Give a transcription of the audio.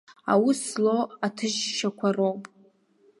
Аус злоу аҭыжьшьақәа роуп.